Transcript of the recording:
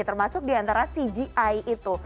termasuk diantara cgi itu